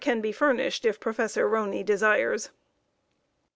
can be furnished if Prof. Roney desires.